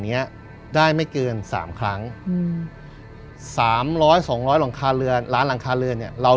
เนี้ยได้ไม่เกิน๓ครั้ง๓๐๐๒๐๐หลังคาเรือนร้านหลังคาเรือนเนี่ยเรา